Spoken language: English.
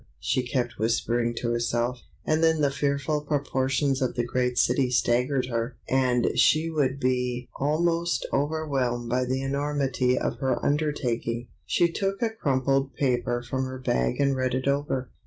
she kept whispering to herself, and then the fearful proportions of the great city staggered her and she would be almost overwhelmed by the enormity of her undertaking. She took a crumpled paper from her bag and read it over.